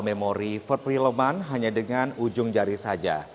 memori perfilman hanya dengan ujung jari saja